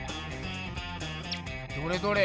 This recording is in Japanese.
どれどれ？